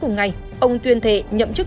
cùng ngày ông tuyên thệ nhậm chức